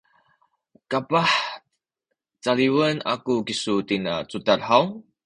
kapah caliwen aku kisu tina cudad haw?